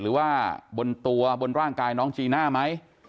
หรือว่าบนตัวบนร่างกายน้องจีน่าไหม